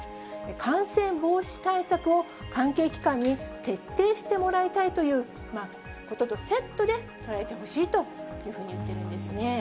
感染防止対策を関係機関に徹底してもらいたいということとセットで捉えてほしいというふうに言っているんですね。